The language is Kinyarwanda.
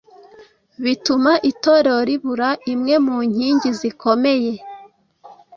bituma Itorero ribura imwe mu nkingi zikomeye,